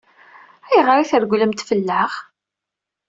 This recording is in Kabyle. Ayɣer i tregglemt fell-aɣ?